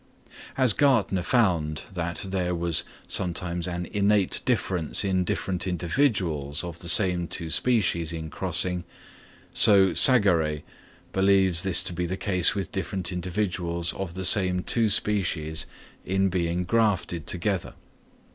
As Gärtner found that there was sometimes an innate difference in different individuals of the same two species in crossing; so Sagaret believes this to be the case with different individuals of the same two species in being grafted together.